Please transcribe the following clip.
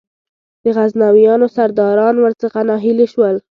د غزنویانو سرداران ور څخه ناهیلي شول.